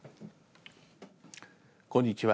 こんにちは。